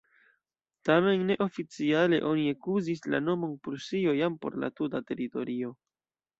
Tamen ne-oficiale oni ekuzis la nomon "Prusio" jam por la tuta teritorio.